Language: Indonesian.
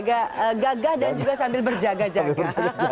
agak gagah dan juga sambil berjaga jaga